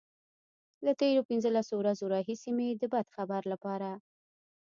له تېرو پنځلسو ورځو راهيسې مې د بد خبر لپاره.